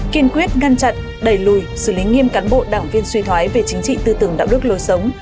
kiên quyết ngăn chặn đẩy lùi xử lý nghiêm cán bộ đảng viên suy thoái về chính trị tư tưởng đạo đức lối sống